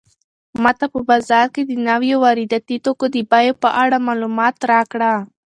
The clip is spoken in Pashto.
ماته په بازار کې د نويو وارداتي توکو د بیو په اړه معلومات راکړه.